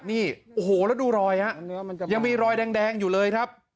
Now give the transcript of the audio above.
นี่โอ้โหแล้วดูรอยฮะยังมีรอยแดงอยู่เลยครับ